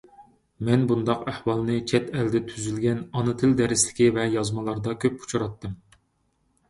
مەن بۇنداق ئەھۋالنى چەت ئەلدە تۈزۈلگەن ئانا تىل دەرسلىكى ۋە يازمىلاردا كۆپ ئۇچراتتىم.